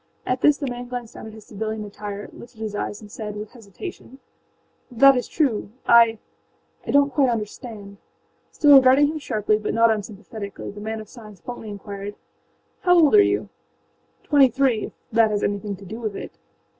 â At this the man glanced down at his civilian attire, lifted his eyes, and said with hesitation: âThat is true. IâI donât quite understand.â Still regarding him sharply but not unsympathetically the man of science bluntly inquired: âHow old are you?â âTwenty threeâif that has anything to do with it.